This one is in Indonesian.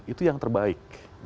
itu yang terbaik